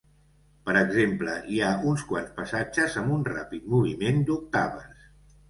Per exemple, hi ha uns quants passatges amb un ràpid moviment d'octaves.